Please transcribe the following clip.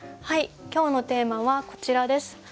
はい今日のテーマはこちらです。